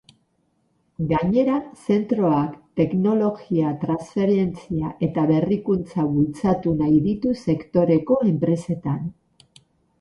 Gainera, zentroak teknologia-transferentzia eta berrikuntza bultzatu nahi ditu sektoreko enpresetan.